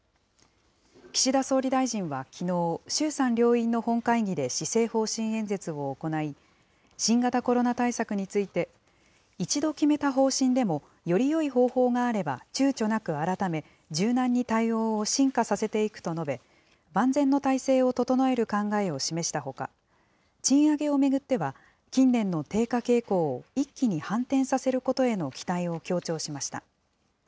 岸田総理大臣はきのう、衆参両院の本会議で、施政方針演説を行い、新型コロナ対策について、一度決めた方針でもよりよい方法があればちゅうちょなく改め、柔軟に対応を進化させていくと述べ、万全の態勢を整える考えを示したほか、賃上げを巡っては、近年の低下傾向を一気に反転させることへの期待を強調しました。